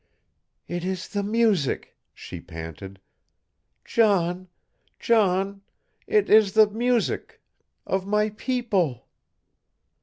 "It is the music!" she panted. "John, John, it is the music of my people!"